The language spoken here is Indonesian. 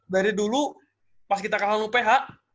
dari dulu pas kita ke lalu ph